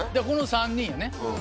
この３人やね。